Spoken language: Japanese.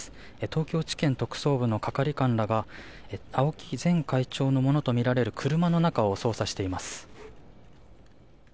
東京地検特捜部の係官らが青木前会長のものとみられる車の中を捜査しています。